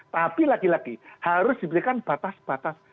tapi lagi lagi harus diberikan batas batas